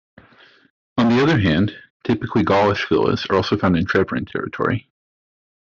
On the other hand, typically 'Gaulish' villas are also found in Treveran territory.